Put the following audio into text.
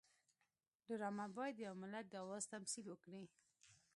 ډرامه باید د یو ملت د آواز تمثیل وکړي